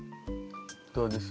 どうです？